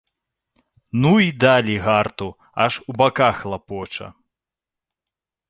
Ну й далі гарту, аж у баках лапоча.